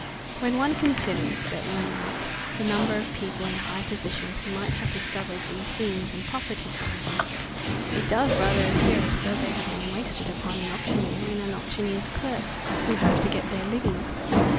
"When one considers," Burton remarked, "the number of people in high positions who might have discovered these beans and profited by them, it does rather appear as though they had been wasted upon an auctioneer and an auctioneer's clerk who have to get their livings."